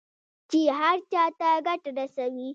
چې هر چا ته ګټه رسوي.